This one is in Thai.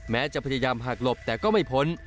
แม้จะพยายามหักหลบแต่ก็ไม่พ้น